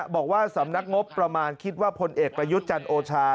บอกว่าสำนักงบประมาณคิดว่าพลเอกประยุทธ์จันทร์โอชา